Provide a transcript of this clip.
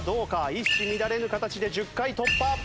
一糸乱れぬ形で１０回突破。